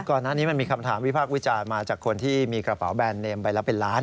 ก่อนหน้านี้มันมีคำถามวิพากษ์วิจารณ์มาจากคนที่มีกระเป๋าแบรนดเนมไปแล้วเป็นล้าน